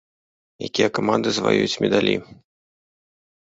Якія каманды заваююць медалі?